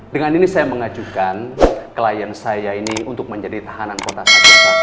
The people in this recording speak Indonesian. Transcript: dengan ini saya mengajukan klien saya ini untuk menjadi tahanan kota pacitan